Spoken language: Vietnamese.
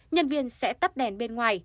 nhân viên sẽ tắt đèn bên ngoài